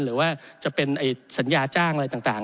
หรือว่าจะเป็นสัญญาจ้างอะไรต่าง